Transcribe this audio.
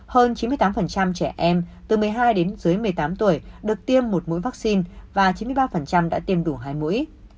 hơn chín mươi tám trẻ em từ một mươi hai đến dưới một mươi tám tuổi được tiêm một mũi vaccine và chín mươi ba đã tiêm đủ hai mũi